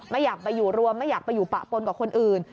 ไม่อยากไปอยู่รวมไม่อยากไปอยู่ปะปนกับคนอื่น